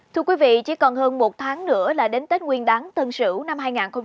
thưa quý vị chỉ còn hơn một tháng nữa là đến tết nguyên đáng tân sửu năm hai nghìn hai mươi một